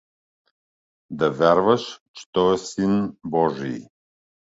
— Да вярваш, че той е син божий.